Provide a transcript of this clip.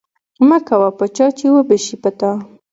ـ مه کوه په چا ،چې وبشي په تا.